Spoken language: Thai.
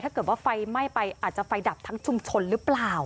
ถ้าเกิดว่าไฟไหม้ไปอาจจะไฟดับทั้งชุมชนหรือเปล่า